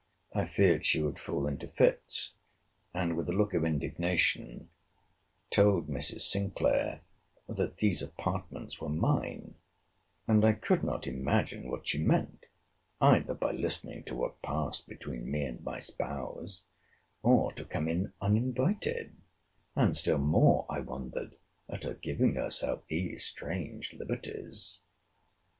I feared she would fall into fits; and, with a look of indignation, told Mrs. Sinclair that these apartments were mine; and I could not imagine what she meant, either by listening to what passed between me and my spouse, or to come in uninvited; and still more I wondered at her giving herself these strange liberties.